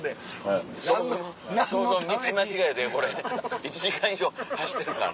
そもそも道間違えてこれ１時間以上走ってるからな。